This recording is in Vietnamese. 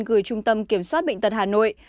gửi trung tâm kiểm soát bệnh tật hà nội